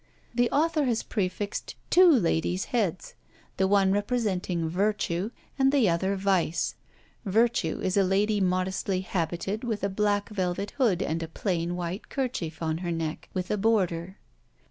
The author has prefixed two ladies' heads; the one representing Virtue, and the other Vice. Virtue is a lady modestly habited, with a black velvet hood, and a plain white kerchief on her neck, with a border.